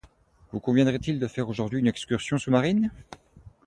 vous conviendrait-il de faire aujourd’hui une excursion sous-marine ?